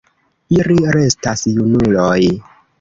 Ili restas junuloj.